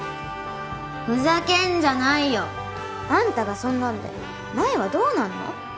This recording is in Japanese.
ふざけんじゃないよあんたがそんなんで麻衣はどうなんの？